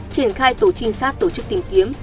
triển khai tổ trinh sát tổ chức tìm kiếm